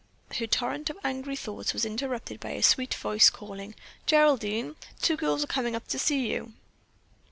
Her torrent of angry thoughts was interrupted by a sweet voice calling: "Geraldine, two girls are coming up to see you."